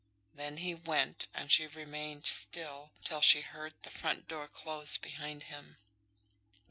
Then he went, and she remained still, till she heard the front door close behind him.